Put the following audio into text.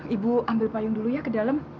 ibu ambil payung dulu ya ke dalam